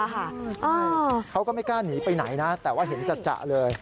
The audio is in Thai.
ใช่เขาก็ไม่กล้าหนีไปไหนนะแต่ว่าเห็นจัดเลย